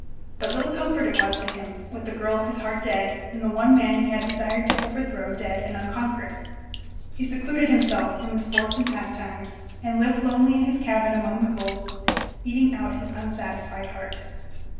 But little comfort it was to him, with the girl of his heart dead, and the one man he had desired to overthrow dead and unconquered. He secluded himself from the sports and pastimes, and lived lonely in his cabin among the gulls, eating out his unsatisfied heart.